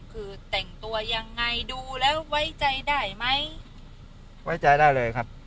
คือแต่งตัวยังไงดูแล้วไว้ใจได้ไหมไว้ใจได้เลยครับ